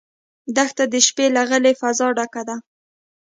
دښته د شپې له غلې فضا ډکه ده.